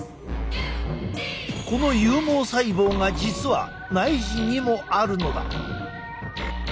この有毛細胞が実は内耳にもあるのだ。